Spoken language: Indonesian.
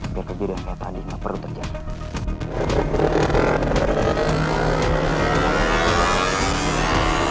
biar kejadian kayak tadi gak perlu terjadi